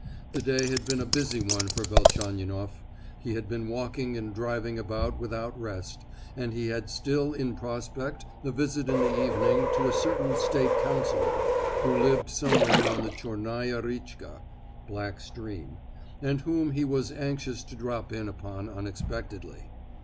The day had been a busy one for Velchaninoff—he had been walking and driving about without rest, and had still in prospect a visit in the evening to a certain state councillor who lived somewhere on the Chornaya Riéchka (black stream), and whom he was anxious to drop in upon unexpectedly.